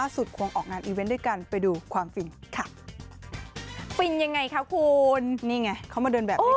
ควงออกงานอีเวนต์ด้วยกันไปดูความฟินค่ะฟินยังไงคะคุณนี่ไงเขามาเดินแบบนี้